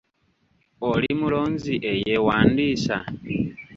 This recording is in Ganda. Oli mulonzi eyeewandiisa?